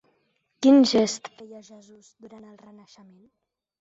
Quin gest feia Jesús durant el Renaixement?